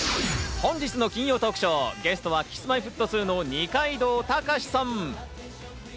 本日の金曜トークショー、ゲストはＫｉｓ−Ｍｙ−Ｆｔ２の二階堂高嗣さん。